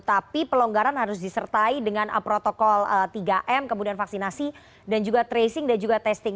tapi pelonggaran harus disertai dengan protokol tiga m kemudian vaksinasi dan juga tracing dan juga testing